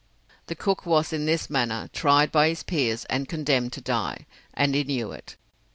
The cook was in this manner tried by his peers and condemned to die, and he knew it.